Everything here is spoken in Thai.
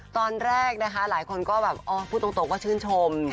ตอนแรกหลายคนพูดโต๊ะก็ชื่นชม